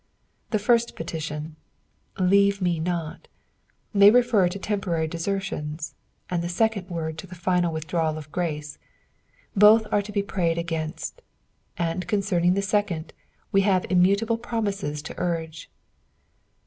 The first petition, '^ leave ma not,'" may refer to temporary desertions, nnd the second word to the final witbdrawHl of grace, both are to be prayed againet ; and concerning the second, wo have immutable promises to urge.